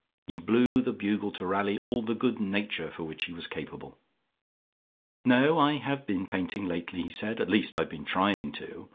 He blew the bugle to rally all the good nature for which he was capable. "No, I have been painting lately," he said, "at least I have been trying to.